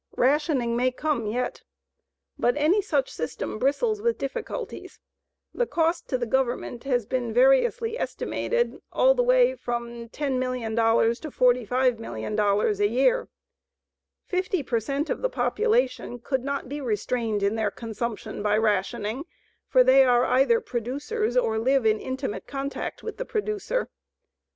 Rationing may come yet, but any such system bristles with difficulties. The cost to the Government has been variously estimated all the way from $10,000,000 to $45,000,000 a year. Fifty per cent of the population could not be restrained in their consumption by rationing, for they are either producers or live in intimate contact with the producer.